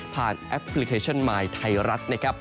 แอปพลิเคชันมายไทยรัฐนะครับ